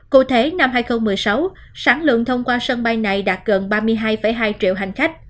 cụ thể năm hai nghìn một mươi sáu sản lượng thông qua sân bay này đạt gần